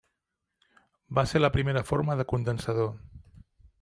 Va ser la primera forma de condensador.